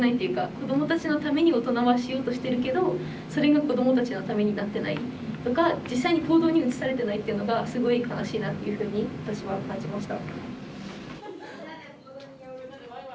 子どもたちのために大人はしようとしてるけどそれが子どもたちのためになってないとか実際に行動に移されてないっていうのがすごい悲しいなっていうふうに私は感じました。